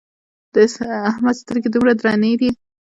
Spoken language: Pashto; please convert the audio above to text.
د احمد سترگې دومره درنې دي، چې اوسپنې هم ماتوي.